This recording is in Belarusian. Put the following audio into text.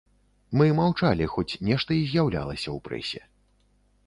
Мы маўчалі, хоць нешта і з'яўлялася ў прэсе.